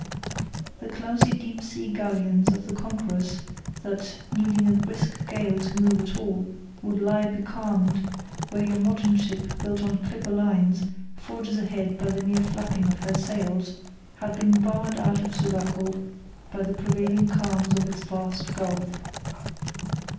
The clumsy deep sea galleons of the conquerors that, needing a brisk gale to move at all, would lie becalmed, where your modern ship built on clipper lines forges ahead by the mere flapping of her sails, had been barred out of Sulaco by the prevailing calms of its vast gulf.